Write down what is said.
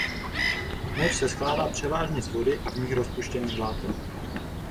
Moč se skládá převážně z vody a v ní rozpuštěných látek.